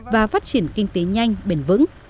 và phát triển kinh tế nhanh bền vững